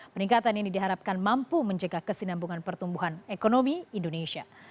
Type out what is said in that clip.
peningkatan ini diharapkan mampu menjaga kesinambungan pertumbuhan ekonomi indonesia